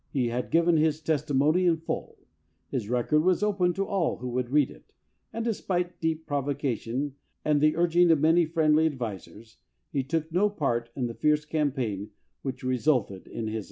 He had given his testimony in full, his record was open to all who would read it, and despite deep provocation and the urging 289 LINCOLN THE LAWYER of many friendly advisers, he took no part in the fierce campaign which resulted in his election.